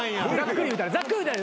ざっくり言うたら。